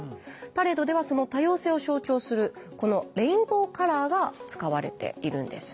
パレードではその多様性を象徴するこのレインボーカラーが使われているんです。